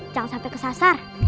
jangan sampai kesasar